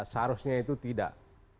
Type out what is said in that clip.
seharusnya itu tidak